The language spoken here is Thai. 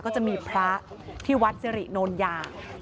ก็จะมีพระที่วัดเจรินท์โยนยา